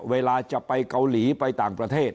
เวลาจะไปเกาหลีไปต่างประเทศ